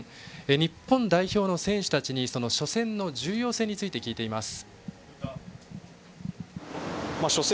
日本代表の選手たちに初戦の重要性について聞いてます。